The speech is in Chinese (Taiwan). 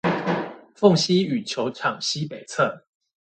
鳳西羽球館西北側